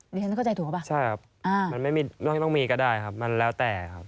ฉันเข้าใจถูกหรือเปล่าใช่ครับมันไม่มีไม่ต้องมีก็ได้ครับมันแล้วแต่ครับ